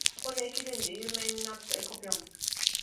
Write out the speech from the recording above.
箱根駅伝で有名になった「えこぴょん」